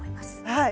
はい。